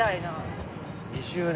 ２０年。